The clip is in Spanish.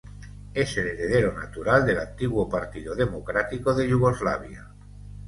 Es el heredero natural del antiguo Partido Democrático de Yugoslavia.